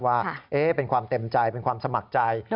ว่าเป็นความเต็มใจเป็นความสมัครใจ